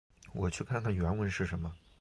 我去看看原文是什么。